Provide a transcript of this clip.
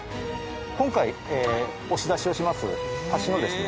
今回押し出しをします橋のですね